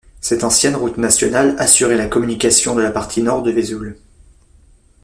Cette ancienne route nationale assurait la communication de la partie nord de Vesoul.